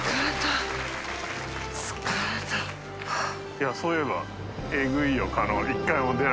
いやそういえば狩野）